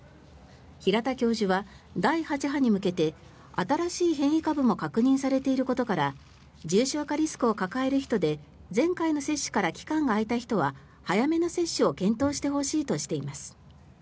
平田教授は第８波に向けて新しい変異株も確認されていることから重症化リスクを抱える人で前回の接種から期間が空いた人は早めの接種を検討してほしいとしています。